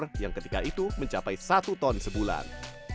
mesin ekspor yang ketika itu mencapai satu ton sebulan